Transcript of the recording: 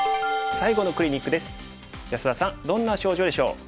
安田さんどんな症状でしょう？